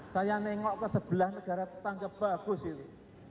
saya nengok ke sebelah negara tetangga bagus itu